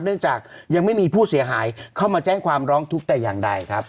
เนื่องจากยังไม่มีผู้เสียหายเข้ามาแจ้งความร้องทุกข์แต่อย่างใดครับ